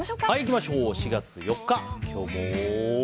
４月４日、今日も。